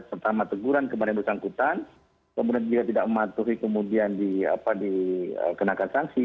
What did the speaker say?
pertama teguran kemarin bersangkutan kemudian jika tidak mematuhi kemudian dikenakan sanksi